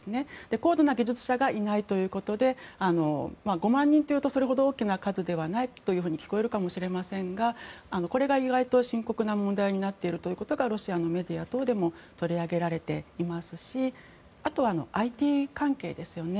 高度な技術者がいないということで５万人というとそれほど大きな数ではないと聞こえるかもしれませんがこれが意外と深刻な問題になっているということがロシアのメディア等でも取り上げられていますしあと、ＩＴ関係ですよね。